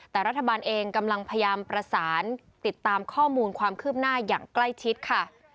แต่รัฐบาลเองกำลังพยายามประสานติดตามข้อมูลความคืบหน้าอย่างใกล้ชิดค่ะ